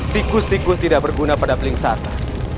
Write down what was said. tikus tikus tidak berguna pada plingsata